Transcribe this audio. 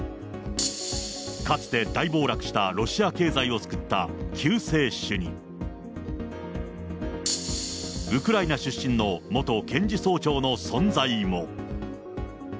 かつて大暴落したロシア経済を救った救世主に、ウクライナ出身の元検事総長の存在も。